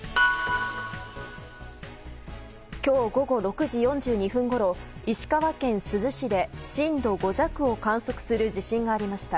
今日午後６時４２分ごろ石川県珠洲市で震度５弱を観測する地震がありました。